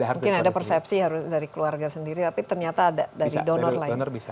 mungkin ada persepsi harus dari keluarga sendiri tapi ternyata ada dari donor lain